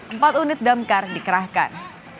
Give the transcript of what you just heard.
empat unit damkar dikerahkan